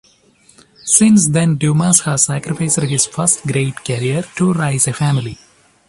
Since then Dumas has sacrificed his first grade career to raise a family.